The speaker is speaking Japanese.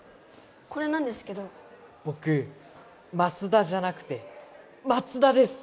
これなんですけど僕マスダじゃなくて松田です！